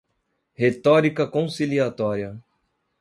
Retórica conciliatória